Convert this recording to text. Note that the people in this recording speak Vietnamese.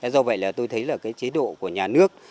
do vậy tôi thấy chế độ của nhà nước